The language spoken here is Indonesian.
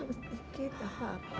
aku sedikit apa apa